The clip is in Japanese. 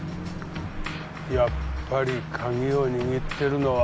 やっぱりカギを握ってるのは。